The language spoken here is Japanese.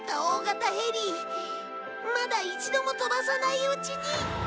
まだ一度も飛ばさないうちに。